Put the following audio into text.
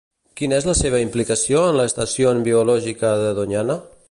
Quina és la seva implicació en la Estación Biológica de Doñana?